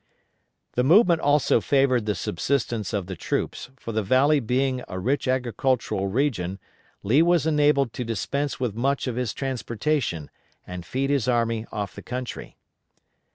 ] The movement also favored the subsistence of the troops, for the valley being a rich agricultural region, Lee was enabled to dispense with much of his transportation and feed his army off the country.